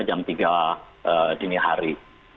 jam tiga dini hari